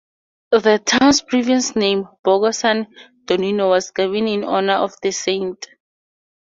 The town's previous name, "Borgo San Donnino", was given in honor of the saint.